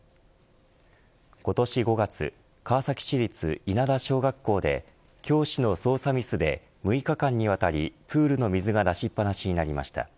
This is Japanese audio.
今年５月、川崎市立稲田小学校で教師の操作ミスで６日間にわたりプールの水が出しっぱなしになりました。